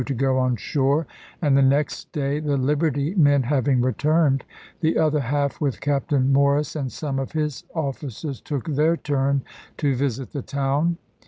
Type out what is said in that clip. to go on shore and the next day, the liberty men having returned, the other half with Captain Mor ris and some of his officers took their turn to visit the town.